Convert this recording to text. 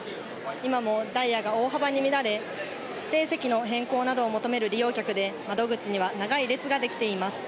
今もダイヤが大幅に乱れ、指定席の変更などを求める利用客で、窓口には長い列ができています。